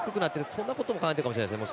こんなことも考えているかもしれないですね。